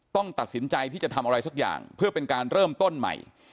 ต้องตัดสินใจที่จะทำอะไรสักอย่างเพื่อเป็นการเริ่มต้นใหม่